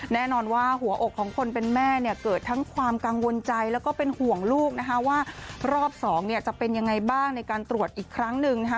แน่นอนว่าหัวอกของคนเป็นแม่เนี่ยเกิดทั้งความกังวลใจแล้วก็เป็นห่วงลูกนะคะว่ารอบสองเนี่ยจะเป็นยังไงบ้างในการตรวจอีกครั้งหนึ่งนะคะ